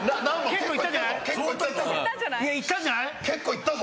結構いったぞ。